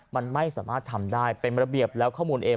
มันไม่สามารถทำได้เป็นระเบียบแล้วข้อมูลเอง